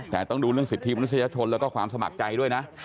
แต่ต้องดูเรื่องสิทธิมนุษยชนแล้วก็ความสมัครใจด้วยนะ